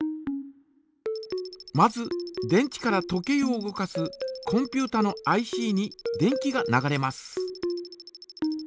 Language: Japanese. まず電池から時計を動かすコンピュータのＩＣに電気が流れます。